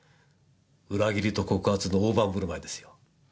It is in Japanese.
裏切りと告発の大盤振る舞いですよ。